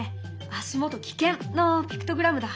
「足元危険！」のピクトグラムだ。